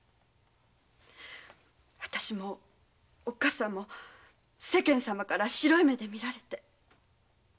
あたしもおっかさんも世間様から白い目で見られて。